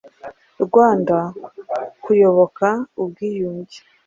Rwanda: Kuyoboka ubwiyunge: